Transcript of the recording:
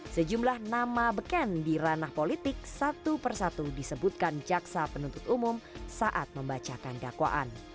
sejumlah nama beken di ranah politik satu persatu disebutkan jaksa penuntut umum saat membacakan dakwaan